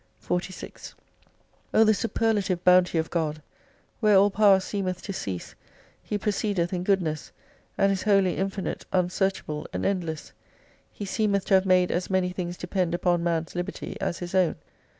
46 O the superlative Bounty of God ! Where all power seemeth to cease, He proceedeth in goodness, and is wholly infinite, unsearchable, and endless. He seemeth to have made as many things depend upon man's liberty, as His own.